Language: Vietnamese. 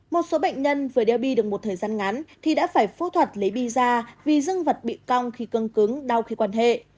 một số bệnh nhân vừa đeo bi được một thời gian ngắn thì đã phải phô thuật lấy bi ra vì dân vật bị cong khi cưng cứng đau khi quan hệ